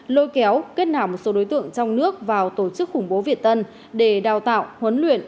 lôi kéo kết nạp một số đối tượng trong nước vào tổ chức khủng bố việt tân để đào tạo huấn luyện